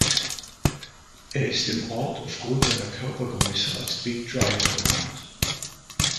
Er ist im Ort auf Grund seiner Körpergröße als „Big Driver“ bekannt.